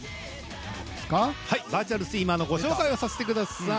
バーチャルスイマーのご紹介をさせてください。